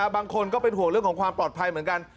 บางคนก็เป็นห่วงเรื่องของความปลอดภัยเหมือนกัน